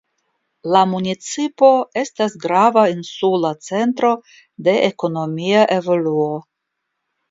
La municipo estas grava insula centro de ekonomia evoluo.